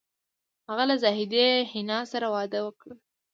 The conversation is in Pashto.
هغه له زاهدې حنا سره واده وکړ